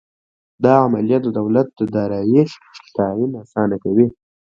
دا عملیه د دولت د دارایۍ تعین اسانه کوي.